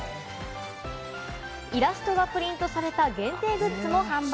イラストがプリントされた、限定グッズも販売。